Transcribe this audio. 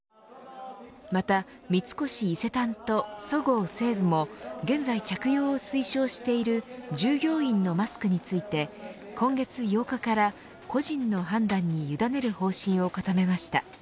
また三越伊勢丹とそごう・西武も現在、着用を推奨している従業員のマスクについて今月８日から個人の判断に委ねる方針を固めました。